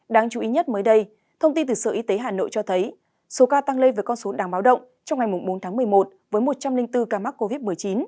đáng chú ý nhất mới đây thông tin từ sở y tế hà nội cho thấy số ca tăng lây về con số đáng báo động trong ngày bốn tháng một mươi một với một trăm linh bốn ca mắc covid một mươi chín